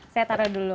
saya taruh dulu